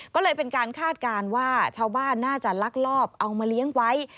ก็เลยเป็นการคาดการณ์ว่าชาวบ้านน่าจะลักลอบเอามาเลี้ยงไว้